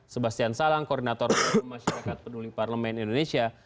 sebastian salang koordinator masyarakat peduli parlemen indonesia